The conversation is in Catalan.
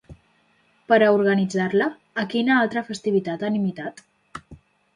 Per a organitzar-la, a quina altra festivitat han imitat?